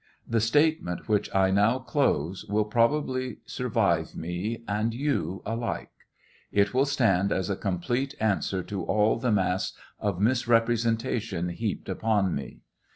The statement, which I now close, will probably survive me and you alike. It will stand as a complete an swer to all the mass of misrepresentation heaped upon me.